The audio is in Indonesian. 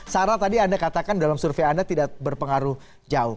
sarah tadi anda katakan dalam survei anda tidak berpengaruh jauh